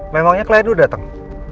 memangnya kledu datang